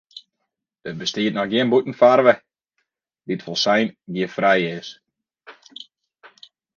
Der bestiet noch gjin bûtenferve dy't folslein giffrij is.